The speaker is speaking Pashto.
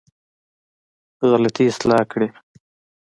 غلطي اصلاح کړې.